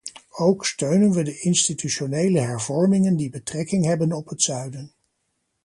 Ook steunen we de institutionele hervormingen die betrekking hebben op het zuiden.